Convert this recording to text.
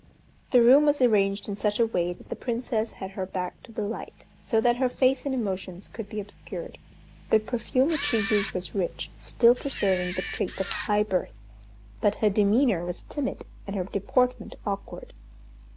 The room was arranged in such a way that the Princess had her back to the light so that her face and emotions could be obscured. The perfume which she used was rich, still preserving the trait of high birth, but her demeanor was timid, and her deportment awkward.